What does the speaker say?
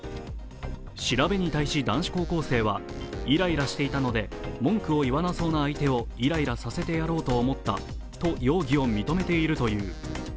調べに対し男子高校生は、イライラしていたので文句を言わなそうな相手をイライラさせてやろうと思ったと容疑を認めているという。